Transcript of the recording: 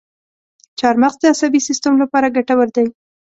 چارمغز د عصبي سیستم لپاره ګټور دی.